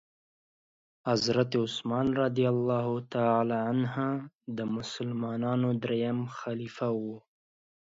حضرت عثمان رضي الله تعالی عنه د مسلمانانو دريم خليفه وو.